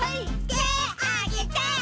てあげて。